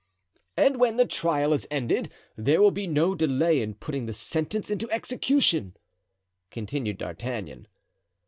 "And when the trial is ended there will be no delay in putting the sentence into execution," continued D'Artagnan.